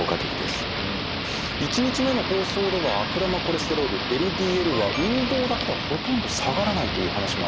１日目の放送では悪玉コレステロールＬＤＬは運動だけではほとんど下がらないという話もありました。